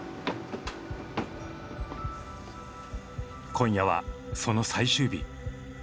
今夜はその最終日。